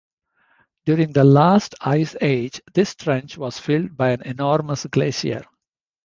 During the last ice age this trench was filled by an enormous glacier.